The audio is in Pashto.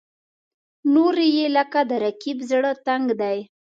نورې یې لکه د رقیب زړه تنګ دي.